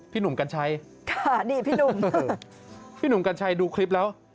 พี่หนุ่มกัญชัยพี่หนุ่มกัญชัยดูคลิปแล้ว